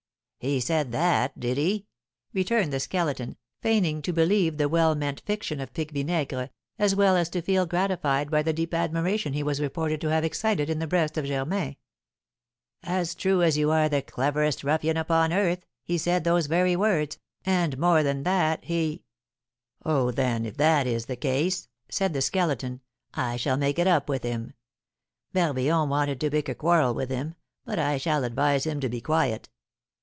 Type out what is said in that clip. '" "He said that, did he?" returned the Skeleton, feigning to believe the well meant fiction of Pique Vinaigre, as well as to feel gratified by the deep admiration he was reported to have excited in the breast of Germain. "As true as that you are the cleverest ruffian upon earth, he said those very words; and, more than that, he " "Oh, then, if that is the case," said the Skeleton, "I shall make it up with him. Barbillon wanted to pick a quarrel with him, but I shall advise him to be quiet."